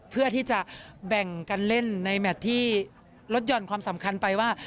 เพื่อที่จะแบ่งกันเล่นในแมทที่ลดหย่อนความสำคัญไปว่า